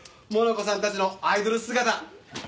モナコさんたちのアイドル姿。